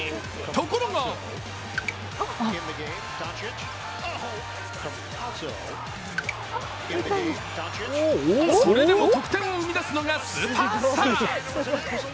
ところがそれでも得点を生み出すのがスーパースター。